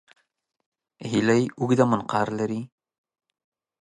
هیلۍ اوږده منقار لري